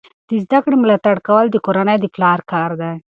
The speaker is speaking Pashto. د زده کړې ملاتړ کول د کورنۍ د پلار کار دی.